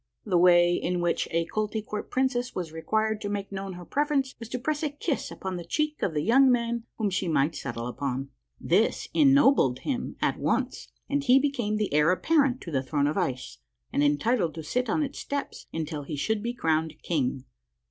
The way in which a Koltykwerp princess was required to make known her preference was to press a kiss upon the cheek of the young man whom she might settle upon. This ennobled him at once, and he became the heir apparent to the throne of ice, and entitled to sit on its steps until he should be crowned king.